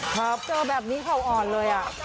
ครับเจอแบบนี้เขาอ่อนเลย